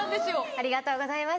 ありがとうございます。